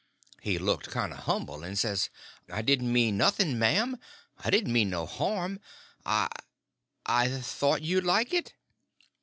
He looked kind of humble, and says: "I didn't mean nothing, m'am. I didn't mean no harm. I—I—thought you'd like it."